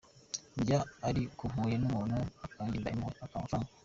Ndya ari uko mpuye n’umuntu akangirira impuwe akampa amafaranga.